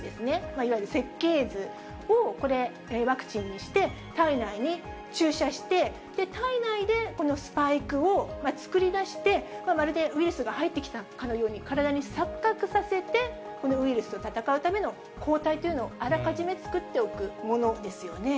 いわゆる設計図をワクチンにして、体内に注射して、体内でこのスパイクを作り出して、まるでウイルスが入ってきたかのように体に錯覚させて、このウイルスと闘うための抗体というのをあらかじめ作っておくものですよね。